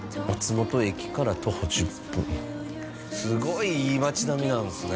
本駅から徒歩１０分すごいいい町並みなんですね